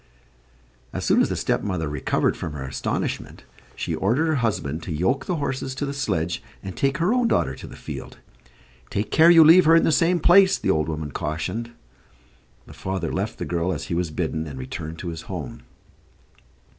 As soon as the stepmother recovered from her astonishment, she ordered her husband to yoke the horses to the sledge, and take her own daughter to the field. "Take care you leave her in the same place," the old woman cautioned. The father left the girl as he was bidden, and returned to his home.